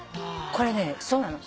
これねそうなの。